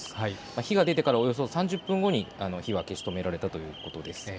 火が出てからおよそ３０分後に火は消し止められたということです。